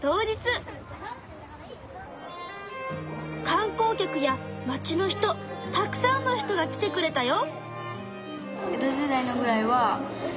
観光客や町の人たくさんの人が来てくれたよ。